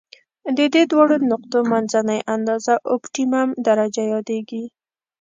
د دې دواړو نقطو منځنۍ اندازه اؤپټیمم درجه یادیږي.